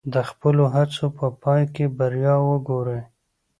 د خپلو هڅو په پای کې بریا وګورئ.